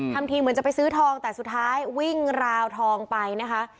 ทำทีเหมือนจะไปซื้อทองแต่สุดท้ายวิ่งราวทองไปนะคะ